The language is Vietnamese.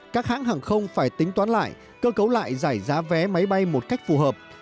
các hãng hàng không phải tính toán lại cơ cấu lại giải giá vé máy bay một cách phù hợp